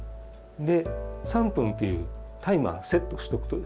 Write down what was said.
で３分っていうタイマーセットしておくとですね